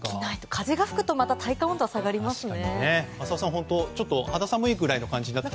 風が吹くと体感温度が下がりますね。